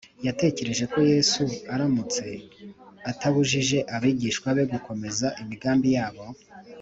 yatekereje ko yesu aramutse atabujije abigishwa be gukomeza imigambi yabo